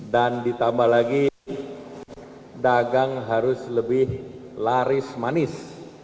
dan ditambah lagi dagang harus lebih laris manis